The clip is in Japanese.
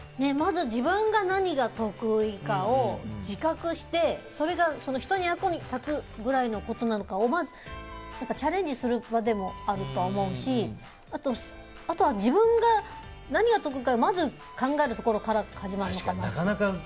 まず、自分が何が得意かを自覚してそれが人の役に立つくらいのことなのかチャレンジする場でもあると思うしあとは自分が何が得意かまず考えるところから始まるのかなって。